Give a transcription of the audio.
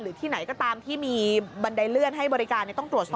ที่ไหนก็ตามที่มีบันไดเลื่อนให้บริการต้องตรวจสอบ